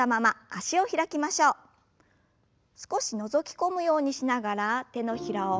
少しのぞき込むようにしながら手のひらを返して腕を前に。